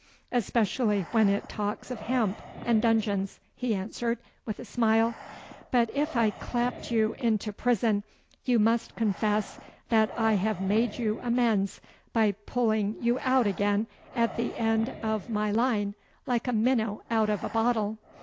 'Especially when it talks of hemp and dungeons,' he answered, with a smile. 'But if I clapped you into prison, you must confess that I have made you amends by pulling you out again at the end of my line, like a minnow out of a bottle.